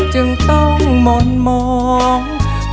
จึงต้องหม่อนมอง